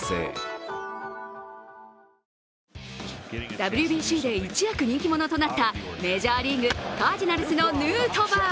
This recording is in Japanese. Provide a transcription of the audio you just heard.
ＷＢＣで一躍人気者となったメジャーリーグ・カージナルスのヌートバー。